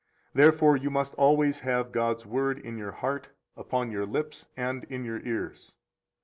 Therefore you must always have God's Word in your heart, upon your lips, and in your ears.